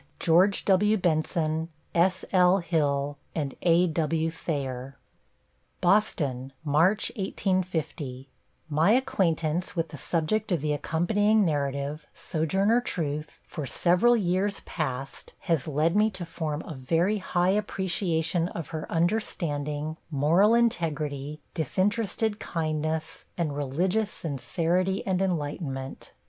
GEO. W. BENSON S. L. HILL A. W. THAYER BOSTON, March, 1850 My acquaintance with the subject of the accompanying Narrative, Sojourner Truth, for several years past, has led me to form a very high appreciation of her understanding, moral integrity, disinterested kindness, and religious sincerity and enlightenment.